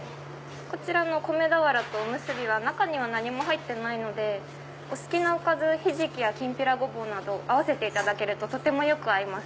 こちらのこめ俵とおむすびは中には何も入ってないのでお好きなおかずひじきやきんぴらごぼうなど合わせていただけるととてもよく合います。